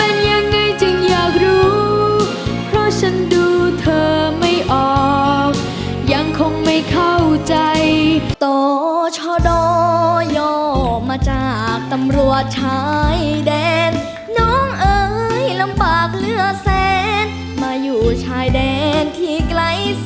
มาอยู่ชายแดนที่ไกลแสนไกล